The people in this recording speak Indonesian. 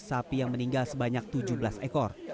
sapi yang meninggal sebanyak tujuh belas ekor